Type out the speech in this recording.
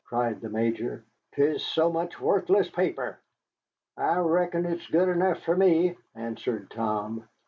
cried the Major; "'tis so much worthless paper." "I reckon it's good enough fer me," answered Tom.